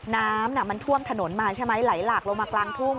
น้ำมันท่วมถนนมาใช่ไหมไหลหลากลงมากลางทุ่ง